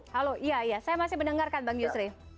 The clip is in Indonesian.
halo iya iya saya masih mendengarkan bang yusri